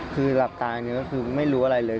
คือหลับตานี้ก็คือไม่รู้อะไรเลย